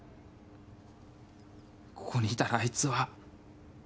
ここにいたらあいつは。